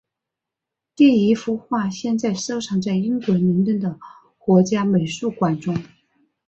第一幅画现在收藏在英国伦敦的国家美术馆中。